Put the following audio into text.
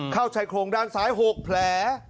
เข้าใส่โครงด้านสาย๖แผล